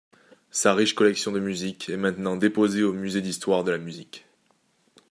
Sa riche collection de musique est maintenant déposée au Musée d'Histoire de la Musique.